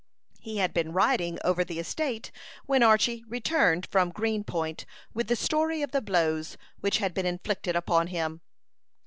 He had been riding over the estate when Archy returned from Green Point with the story of the blows which had been inflicted upon him.